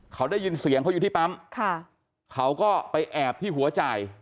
เขาได้ยินเสียงเขาอยู่ที่ปั๊มค่ะเขาก็ไปแอบที่หัวจ่าย